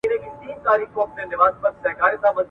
قصاص د عدل په برخه کي یو الهي حکم دی.